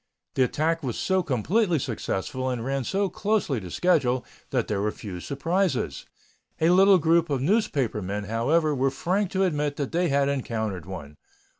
The attack was so completely successful and ran so closely to schedule that there were few surprises. A little group of newspaper men, however, were frank to admit that they had encountered one.